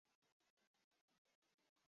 Onamiz yig‘lab-yig‘lab hol so‘radi.